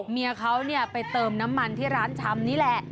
เมียเขาไปเติมน้ำมันที่ร้านชำนี่แหละ